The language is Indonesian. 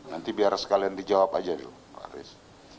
nanti biar sekalian dijawab aja dulu pak aris